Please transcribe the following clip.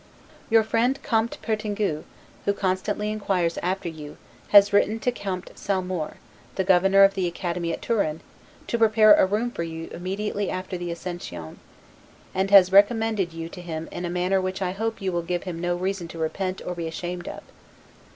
Your friend Comte Pertingue, who constantly inquires after you, has written to Comte Salmour, the Governor of the Academy at Turin, to prepare a room for you there immediately after the Ascension: and has recommended you to him in a manner which I hope you will give him no reason to repent or be ashamed of.